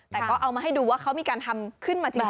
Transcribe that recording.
แต่ก็เอามาให้ดูว่าเขามีการทำขึ้นมาจริง